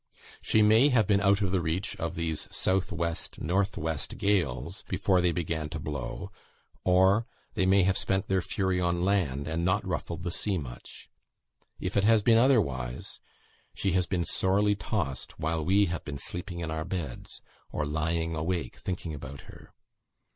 She may have been out of the reach of these S. W. N. W. gales, before they began to blow, or they may have spent their fury on land, and not ruffled the sea much. If it has been otherwise, she has been sorely tossed, while we have been sleeping in our beds, or lying awake thinking about her.